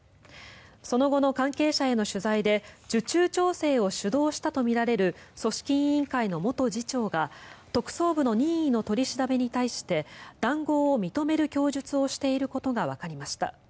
その後の関係者への取材で受注調整を主導したとみられる組織委員会の元次長が特捜部の任意の取り調べに対して談合を認める供述をしていることがわかりました。